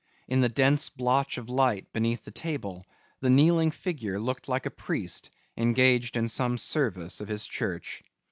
In the dense blotch of light beneath the table, the kneeling figure looked like a priest engaged in some service of his church.